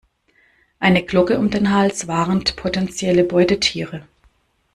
Eine Glocke um den Hals warnt potenzielle Beutetiere.